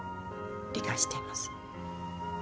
理解しています。